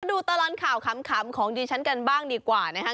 ดูตลอดข่าวขำของดิฉันกันบ้างดีกว่านะครับ